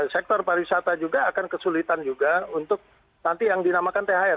sektor pariwisata juga akan kesulitan juga untuk nanti yang dinamakan thr